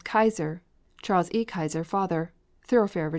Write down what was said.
Keyser; Charles E. Keyser, father; Thoroughfare, Va.